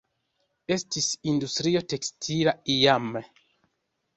Estis industrio tekstila iame.